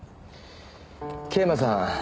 桂馬さん